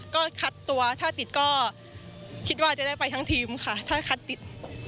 ก็คัดตัวถ้าติดก็คิดว่าจะได้ไปทั้งทีมค่ะถ้าคัดติด